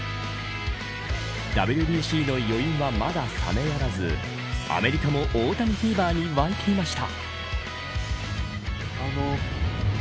ＷＢＣの余韻はまだ冷めやらずアメリカも大谷フィーバーに沸いていました。